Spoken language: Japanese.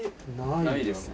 ないですね。